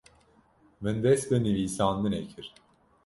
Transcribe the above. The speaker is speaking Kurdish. Min dest bi nivîsandinê kir.